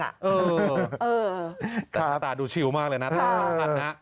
เออแต่ตาดูชิวมากเลยนะถ้าถามอันนั้น